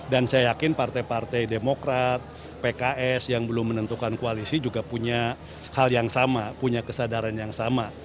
dan saya yakin partai partai demokrat pks yang belum menentukan koalisi juga punya hal yang sama punya kesadaran yang sama